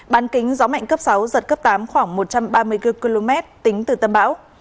bán kính gió mạnh cấp sáu giật cấp tám khoảng một trăm ba mươi bốn km tính từ tâm bão